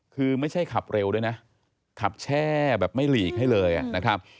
คือไม่ใช่ขับเร็วด้วยนะขับแช่แบบไม่หลีกให้เลยนะครับ